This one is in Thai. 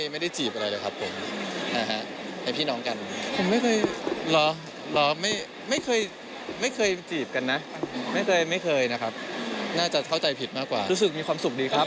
ไม่ได้จีบอะไรเลยครับผม